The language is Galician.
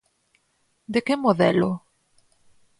De que modelo?